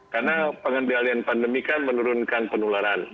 karena pengendalian pandemi kan menurunkan penularan